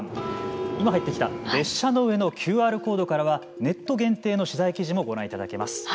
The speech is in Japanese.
今入ってきた列車の上のＱＲコードからはネット限定の取材記事もご覧いただけます。